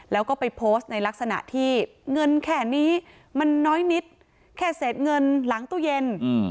แล้วก็ไปโพสต์ในลักษณะที่เงินแค่นี้มันน้อยนิดแค่เศษเงินหลังตู้เย็น